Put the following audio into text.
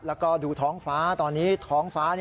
แล้วก็ดูท้องฟ้าตอนนี้ท้องฟ้า